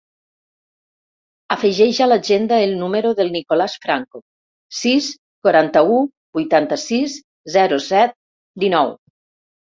Afegeix a l'agenda el número del Nicolàs Franco: sis, quaranta-u, vuitanta-sis, zero, set, dinou.